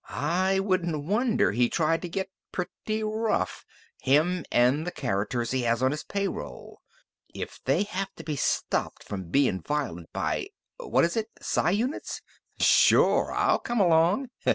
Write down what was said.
"I wouldn't wonder he tried to get pretty rough him and the characters he has on his payroll. If they have to be stopped from bein' violent by what is it? Psi units? Sure I'll come along!